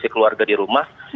jadi keluarga di rumah